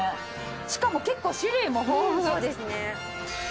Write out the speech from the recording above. しかも結構種類も豊富。